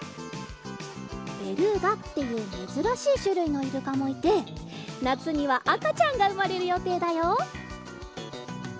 ベルーガっていうめずらしいしゅるいのイルカもいてなつにはあかちゃんがうまれるよていだよ。